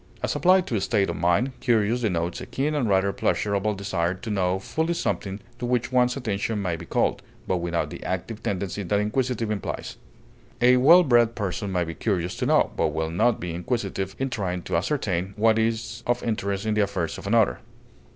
As applied to a state of mind, curious denotes a keen and rather pleasurable desire to know fully something to which one's attention has been called, but without the active tendency that inquisitive implies; a well bred person may be curious to know, but will not be inquisitive in trying to ascertain, what is of interest in the affairs of another.